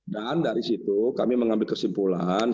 dan dari situ kami mengambil kesimpulan